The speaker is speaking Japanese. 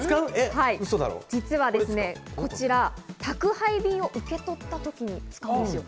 実はこちら、宅配便を受け取った時に使うんですよ。